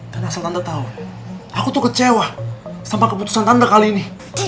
dan asal tante tau aku tuh kecewa sama keputusan tante kali ini